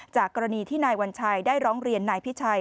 กรณีที่นายวัญชัยได้ร้องเรียนนายพิชัย